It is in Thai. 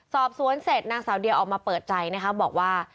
สอบสวนเสร็จนางสาวเดียออกมาเปิดใจนะคะบอกว่า